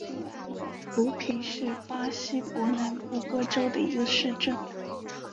茹皮是巴西伯南布哥州的一个市镇。